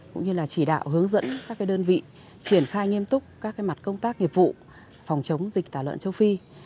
cũng như là chỉ đạo hướng dẫn các đơn vị triển khai nghiêm túc các mặt công tác nghiệp vụ phòng chống dịch tả lợn châu phi